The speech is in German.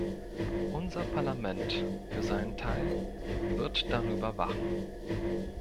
Unser Parlament für seinen Teil wird darüber wachen.